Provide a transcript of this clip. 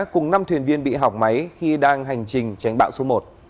cùng năm thuyền viên bị hỏng máy khi đang hành trình tránh bão số một